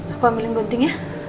aku ambilin guntingnya